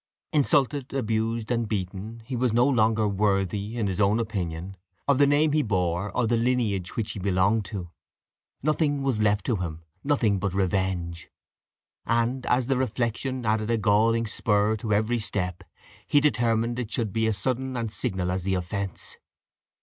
Insulted, abused, and beaten, he was no longer worthy, in his own opinion, of the name he bore, or the lineage which he belonged to; nothing was left to him nothing but revenge; and, as the reflection added a galling spur to every step, he determined it should be as sudden and signal as the offence.